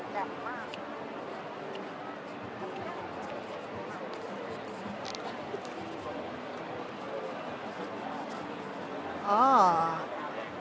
แบบมาก